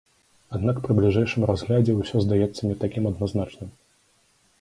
Аднак пры бліжэйшым разглядзе ўсё здаецца не такім адназначным.